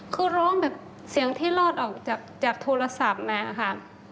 คือร้องแบบเสียงที่รอดออกจากโทรศัพท์มาค่ะ